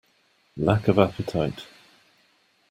Lack of appetite!